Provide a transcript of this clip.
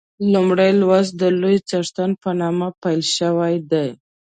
لومړی لوست د لوی څښتن په نامه پیل شوی دی.